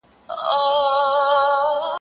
د آسمان کناري خړي